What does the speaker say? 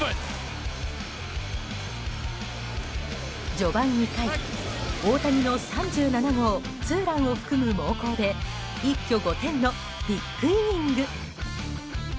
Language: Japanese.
序盤２回、大谷の３７号ツーランを含む猛攻で一挙５点のビッグイニング。